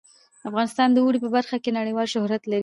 افغانستان د اوړي په برخه کې نړیوال شهرت لري.